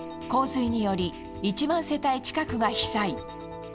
洪水により１万世帯近くが被災。